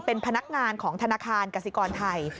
เป็นพนักงานของธนาคารกสิกรไทย